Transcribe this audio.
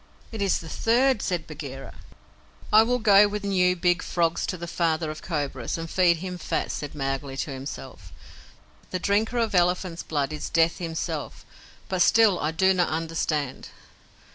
"It is the third," said Bagheera. "I will go with new, big frogs to the Father of Cobras, and feed him fat," said Mowgli to himself. "The drinker of elephant's blood is Death himself but still I do not understand!"